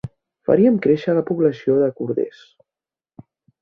Faríem créixer la població de corders.